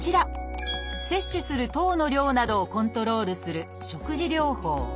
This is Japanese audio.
摂取する糖の量などをコントロールする「食事療法」。